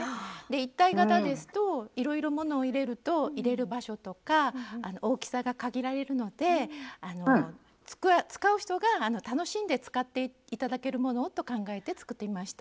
一体型ですといろいろものを入れると入れる場所とか大きさが限られるので使う人が楽しんで使って頂けるものをと考えて作ってみました。